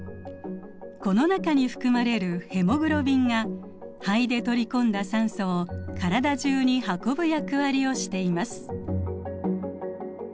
この中に含まれるヘモグロビンが肺で取り込んだ酸素を体中に運ぶ役割をしています。